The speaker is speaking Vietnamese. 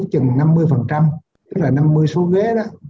chừng năm mươi tức là năm mươi số ghế đó